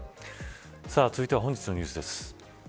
続いては本日のニュースです。